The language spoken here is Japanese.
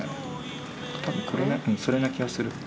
多分それな気がする。